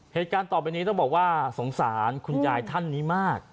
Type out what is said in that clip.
เหตุการณ์ต่อไปนี้ต้องบอกว่าสงสารคุณยายท่านนี้มาก